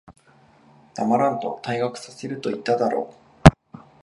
黙らんと、退学させると言っただろ。